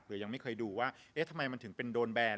ยังไม่เคยดูว่าเอ๊ะทำไมมันถึงเป็นโดนแบน